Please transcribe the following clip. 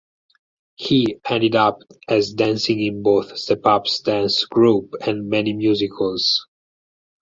He ended up as dancing in both Stepup’s dance group and many musicals.